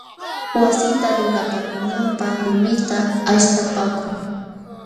Wasita lulapaakunanpaq lumita aśhtapaakun.